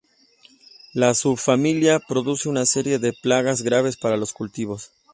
La subfamilia produce una serie de plagas graves para los cultivos.